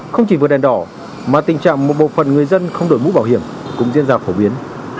không chỉ vượt đèn đỏ mà tình trạng một bộ phận người dân không đổi mũ bảo hiểm cũng diễn ra phổ biến